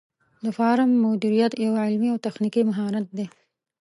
د فارم مدیریت یو علمي او تخنیکي مهارت دی.